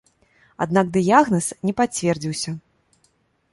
Аднак дыягназ не пацвердзіўся.